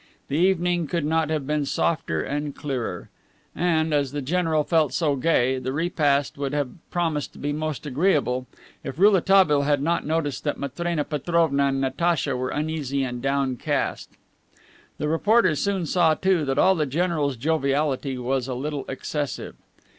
The evening could not have been softer and clearer. And, as the general felt so gay, the repast would have promised to be most agreeable, if Rouletabille had not noticed that Matrena Petrovna and Natacha were uneasy and downcast. The reporter soon saw, too, that all the general's joviality was a little excessive.